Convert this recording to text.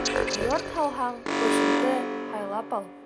Йорт һалһаң, күршеңде һайлап ал.